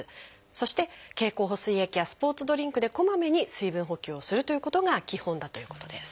そして経口補水液やスポーツドリンクでこまめに水分補給をするということが基本だということです。